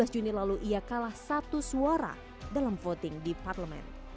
dua belas juni lalu ia kalah satu suara dalam voting di parlemen